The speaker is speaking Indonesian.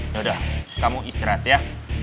ya udah kamu istirahat ya